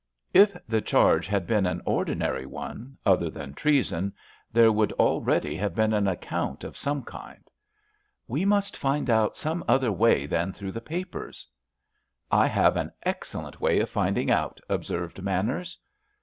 If the charge had been an ordinary one, other than treason, there would already have been an account of some kind. "We must find out some other way than through the papers." "I have an excellent way of finding out," observed Manners.